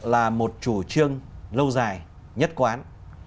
là một chủ trương lâu dài nhất quán